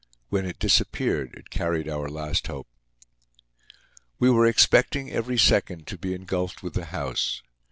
When it disappeared it carried our last hope. We were expecting every second to be engulfed with the house.